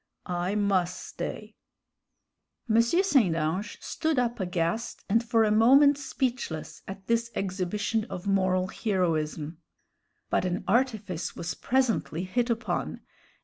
I muss stay." M. St. Ange stood up aghast, and for a moment speechless, at this exhibition of moral heroism; but an artifice was presently hit upon.